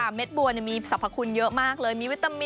ใช่ค่ะเม็ดบัวมีสรรพคุณเยอะมากเลย